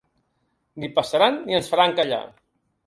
Ni passaran ni ens faran callar.